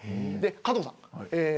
加藤さん